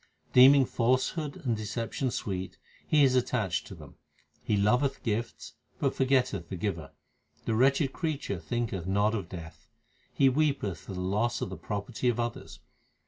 Deeming falsehood and deception sweet he is attached to them. He loveth gifts but forgetteth the Giver. The wretched creature thinketh not of death. He weepeth for the loss of the property of others.